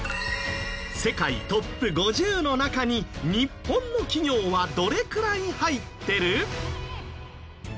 世界トップ５０の中に日本の企業はどれくらい入ってる？